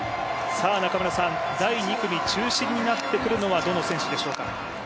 第２組、中心になってくるのはどの選手でしょうか？